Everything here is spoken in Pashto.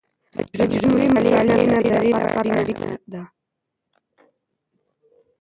تجربي مطالعه د نظريې لپاره اړينه ده.